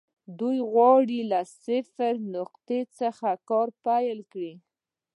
دوی غواړي له صفري نقطې څخه کار پيل کړي.